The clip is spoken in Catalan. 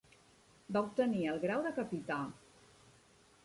Va obtenir el grau de capità.